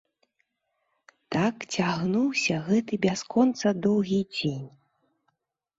Так цягнуўся гэты бясконца доўгі дзень.